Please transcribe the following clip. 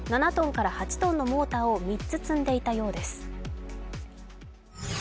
７ｔから８ｔのモーターを３つ積んでいたようです。